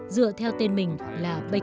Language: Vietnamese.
dựa theo tên mình là bakalit